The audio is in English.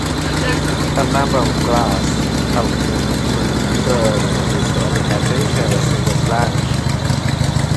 A number of the class have been preserved with organisations in France.